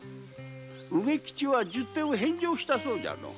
梅吉は十手を返上したそうじゃの。